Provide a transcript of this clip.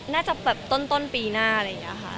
น่าจะแบบต้นปีหน้า